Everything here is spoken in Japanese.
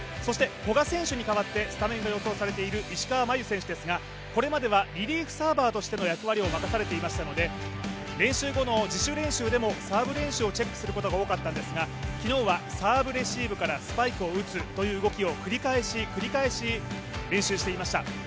古賀選手に代わってスタメンが予想されている石川選手ですが、これまではリリーフサーバーでしたので練習後の自主練習でもサーブ練習をチェックすることが多かったんですが昨日はサーブレシーブからスパイクを打つという動きを繰り返し繰り返し練習していました。